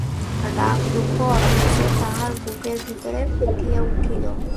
রাগ দুঃখ অধৈর্য তাহার বুকের ভিতরে ফুটিয়া উঠিল।